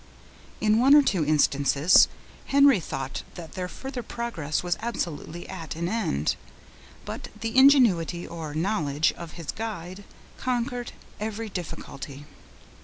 In one or two instances, Henry thought that their further progress was absolutely at an end, but the ingenuity, or knowledge, of his guide, conquered every difficulty.